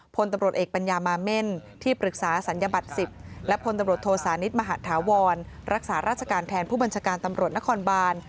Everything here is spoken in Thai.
พลตำรวจเอกปัญญามาเม่นที่ปรึกษาศัลยบัตร๑๐และพลตำรวจโทสานิทมหาธาวรรักษาราชการแทนผู้บัญชาการตำรวจนครบาน